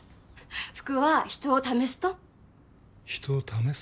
服は人を試すと人を試す？